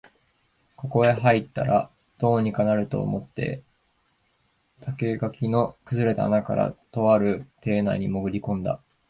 ここへ入ったら、どうにかなると思って竹垣の崩れた穴から、とある邸内にもぐり込んだ